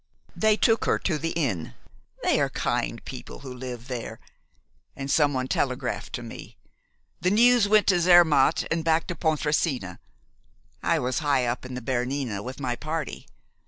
"They took her to the inn, they are kind people who live there, and someone telegraphed to me. The news went to Zermatt, and back to Pontresina. I was high up in the Bernina with my party.